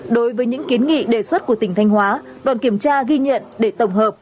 đối với những kiến nghị đề xuất của tỉnh thanh hóa đoàn kiểm tra ghi nhận để tổng hợp